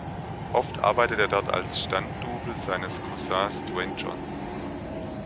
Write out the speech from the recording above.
Oft arbeitet er dort als Stunt-Double seines Cousins Dwayne Johnson.